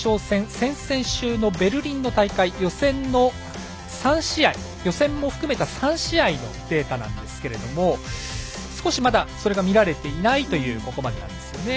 先々週のベルリンの大会予選も含めた３試合のデータなんですけれども少しまだそれが見られていないんですね。